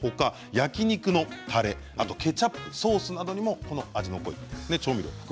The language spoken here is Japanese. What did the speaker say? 焼き肉のたれ、ケチャップソースなどにも味の濃い調味料